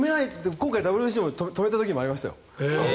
今回、ＷＢＣも止めた時もありましたよ。